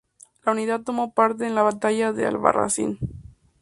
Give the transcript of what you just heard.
La unidad tomó parte en la batalla de Albarracín.